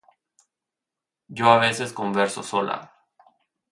Yo a veces converso sola.